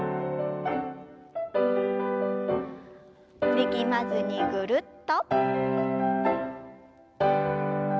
力まずにぐるっと。